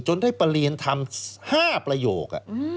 จนได้ประเรียนธรรม๕ประโยค